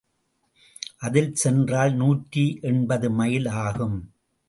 அதில் சென்றால் நூற்றி எண்பது மைல் ஆகும்.